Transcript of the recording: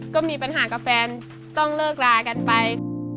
ก็มีปัญหากับแฟนต้องเลิกลากันไป